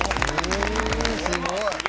すごい。